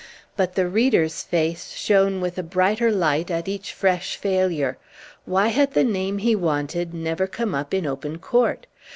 But the reader's face shone with a brighter light at each fresh failure. Why had the name he wanted never come up in open court?